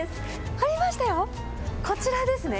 ありましたよ、こちらですね。